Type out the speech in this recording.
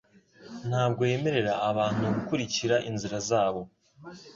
ntabwo yemerera abantu gukurikira inzira zabo